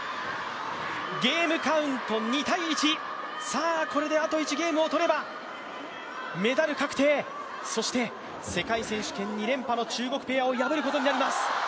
ゲームカウント２−１、さあ、これであと１ゲームを取れば、メダル確定、そして世界選手権２連覇の中国ペアを破ることになります。